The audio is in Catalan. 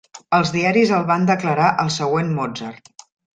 Els diaris el van declarar el següent Mozart.